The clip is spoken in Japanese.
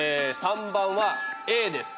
３番はＡです。